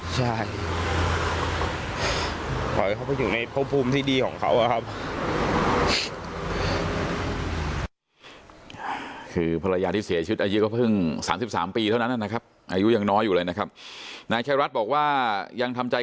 ขอให้เขาไปอยู่ในภูมิที่ดีของเขา